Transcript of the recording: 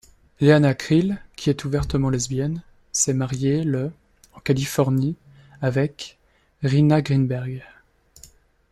Leanna Creel, qui est ouvertement lesbienne, s'est mariée le en Californie avec Rinat Greenberg.